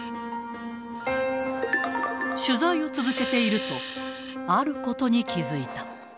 取材を続けていると、あることに気付いた。